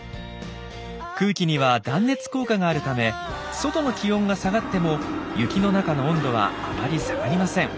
空気には断熱効果があるため外の気温が下がっても雪の中の温度はあまり下がりません。